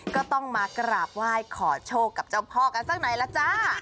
ก็ต้องมากราบไหว้ขอโชคกับเจ้าพ่อกันสักหน่อยล่ะจ้า